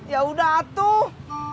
ya udah tuh